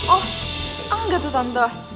oh enggak tuh tante